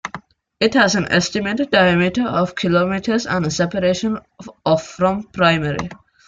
It has an estimated diameter of kilometers and a separation of from primary.